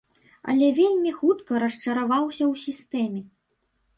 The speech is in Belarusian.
Але вельмі хутка расчараваўся ў сістэме.